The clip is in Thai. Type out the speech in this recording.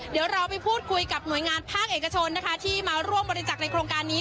เดี๋ยวเราไปพูดคุยกับหน่วยงานภาคเอกชนนะคะที่มาร่วมบริจักษ์ในโครงการนี้